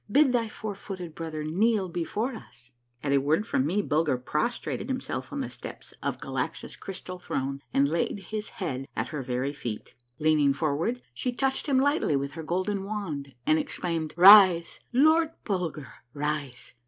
Bid thy four footed brother kneel before us." > f A MARVELLOUS UNDERGROUND JOURNEY 61 At a word from me, Bulger prostrated himself on the steps of Galaxa's crystal throne, and laid his head at her very feet. Leaning forward she touched him lightly with her golden wand, and exclaimed, " Rise, Lord Bulger, rise